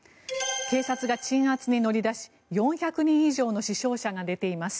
警察が鎮圧に乗り出し４００人以上の死傷者が出ています。